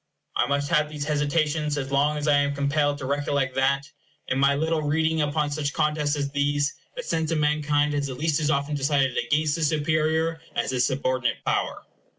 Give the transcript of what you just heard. I must have these hesitations as long as I am compelled to recollect that, in my little reading upon such contests as these, the sense of mankind has at least as often decided against the superior as the subordinate power.